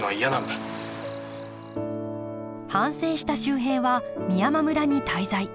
反省した秀平は美山村に滞在。